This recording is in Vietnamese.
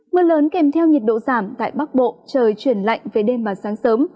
mưa lớn kèm theo nhiệt độ giảm tại bắc bộ trời chuyển lạnh về đêm và sáng sớm